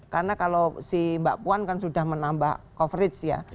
karena kalau si mbak puan kan sudah menambah coverage ya